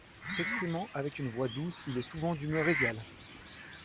S'exprimant avec une voix douce, il est souvent d’humeur égale.